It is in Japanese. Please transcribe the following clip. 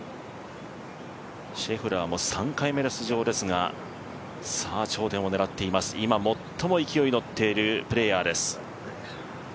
シェフラーも３回目の出場ですが頂点を狙っています、今最も勢いに乗っているプレーヤーです